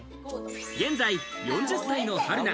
現在４０歳の春菜。